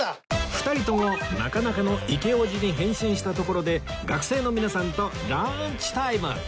２人ともなかなかのイケオジに変身したところで学生の皆さんとランチタイム